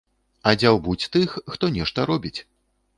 А дзяўбуць тых, хто нешта робіць.